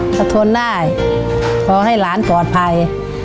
ถ้าทนได้ขอให้หลานปลอดภัย